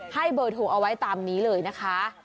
ให้เบอร์โทรเอาไว้ตามนี้เลยนะคะ